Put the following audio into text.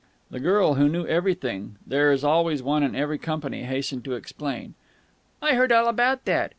The girl who knew everything there is always one in every company hastened to explain. "I heard all about that.